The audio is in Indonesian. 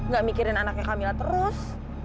gak mikirin anaknya kamila terus